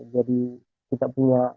jadi kita punya